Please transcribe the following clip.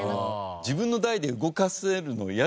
自分の代で動かせるの嫌ですもんね。